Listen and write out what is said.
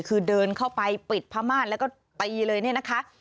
คือเดินเข้าไปปิดพม่านแล้วก็ตีเลยเนี่ยนะคะ